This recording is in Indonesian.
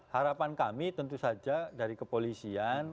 harapan kami tentu saja dari kepolisian